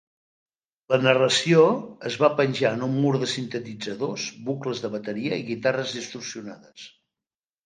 La narració es va penjar en un mur de sintetitzadors, bucles de bateria i guitarres distorsionades.